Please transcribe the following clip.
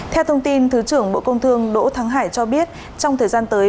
theo thông tin thứ trưởng bộ công thương đỗ thắng hải cho biết trong thời gian tới